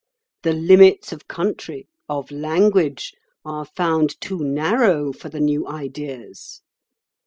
The limits of country, of language, are found too narrow for the new Ideas.